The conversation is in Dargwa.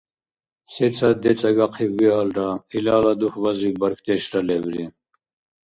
Сецад децӀагахъиб виалра, илала дугьбазиб бархьдешра лебри.